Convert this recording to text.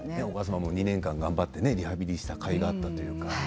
お母様も２年間頑張ってリハビリしたかいがあったというか。